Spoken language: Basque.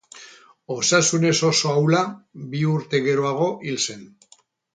Osasunez oso ahula, bi urte geroago hil zen.